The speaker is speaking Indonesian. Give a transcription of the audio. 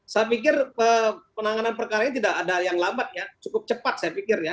saya pikir penanganan perkara ini tidak ada yang lambat ya cukup cepat saya pikir ya